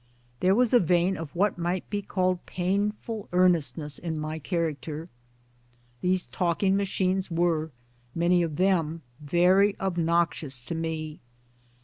There was a vein of what might be called painful earnestness in my character. These talking machines were, many of them, very obnoxious to me.